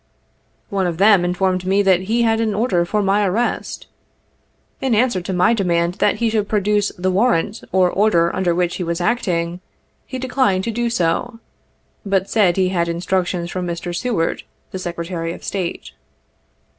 One of them informed me that he had an order for my arrest. In answer to my demand that he should produce the warrant or order under which he was acting, he declined to do so, but said he had instructions from Mr. Seward, the Secretary of State.